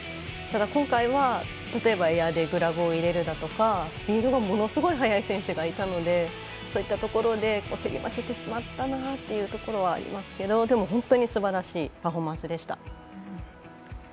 ただ、今回は例えば、エアでグラブを入れるだとかスピードがものすごい速い選手がいたのでそういったところで負けてしまったなというところはありますけどでも、本当にすばらしいパフォーマンスでした。